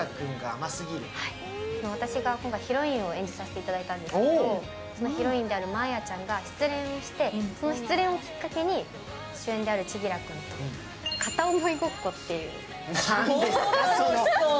私がヒロインを演じさせていただいたんですけど、そのヒロインである真綾ちゃんがその失恋をきっかけに主演である千輝君と片思いごっこ。